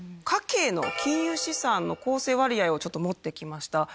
家計の金融資産の構成割合をちょっと持ってきました。